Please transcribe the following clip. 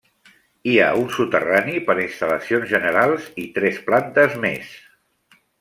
Hi ha un soterrani per a instal·lacions generals i tres plantes més.